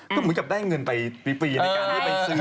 ก็เหมือนกับได้เงินไปฟรีในการที่ไปซื้อ